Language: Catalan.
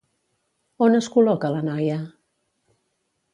On es col·loca la noia?